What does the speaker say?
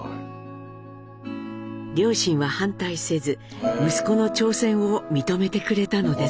両親は反対せず息子の挑戦を認めてくれたのです。